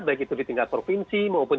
baik itu di tingkat provinsi maupun